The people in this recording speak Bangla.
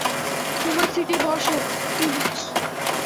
তোমার সিটে বসো, প্লিজ।